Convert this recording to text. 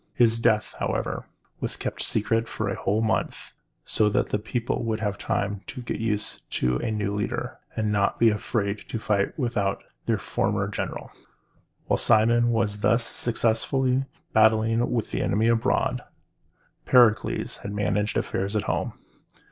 His death, however, was kept secret for a whole month, so that the people would have time to get used to a new leader, and not be afraid to fight without their former general. While Cimon was thus successfully battling with the enemy abroad, Pericles had managed affairs at home.